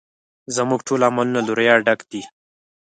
زموږ ټول عملونه له ریا ډک دي